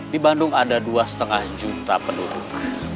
di bandung ada dua lima juta penduduk